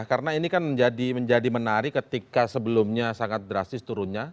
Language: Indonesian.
karena ini kan menjadi menjadi menarik ketika sebelumnya sangat drastis turunnya